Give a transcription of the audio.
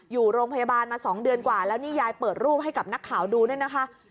อยู่โรงพยาบาลมา๒เดือนกว่าแล้วนี่ยายเปิดรูปให้กับนักข่าวดูเนี่ยนะคะ